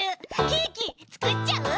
ケーキつくっちゃう？